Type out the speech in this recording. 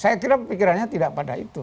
saya kira pikirannya tidak pada itu